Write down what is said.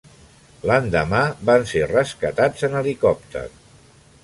L'endemà van ser rescatats en helicòpter.